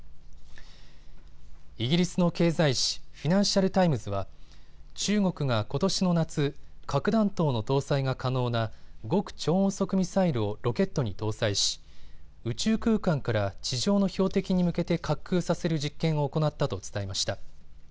イギリスの経済紙、フィナンシャル・タイムズは中国がことしの夏、核弾頭の搭載が可能な極超音速ミサイルをロケットに搭載し、宇宙空間から地上の標的に向けて滑空させる実験を行ったと伝えました。